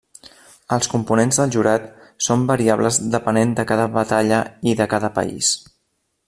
Els components del jurat són variables depenent de cada batalla i de cada país.